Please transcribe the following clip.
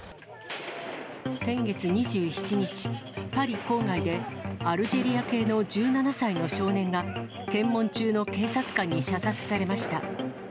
先月２７日、パリ郊外で、アルジェリア系の１７歳の少年が、検問中の警察官に射殺されました。